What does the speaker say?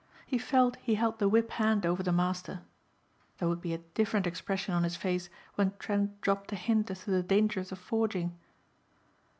He felt he held the whip hand over the master. There would be a different expression on his face when Trent dropped a hint as to the dangers of forging.